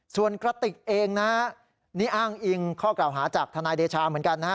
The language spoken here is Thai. ส่วนกระติกเองนะฮะนี่อ้างอิงข้อกล่าวหาจากทนายเดชาเหมือนกันนะฮะ